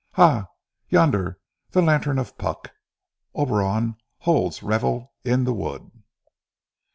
Ha! Yonder the lantern of Puck. Oberon holds revel in the wood."